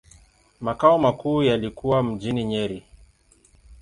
Makao makuu yalikuwa mjini Nyeri.